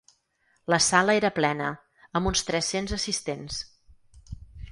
La sala era plena, amb uns tres-cents assistents.